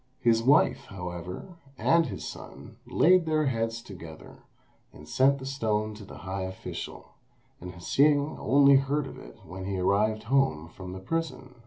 His wife, however, and his son, laid their heads together, and sent the stone to the high official, and Hsing only heard of it when he arrived home from the prison.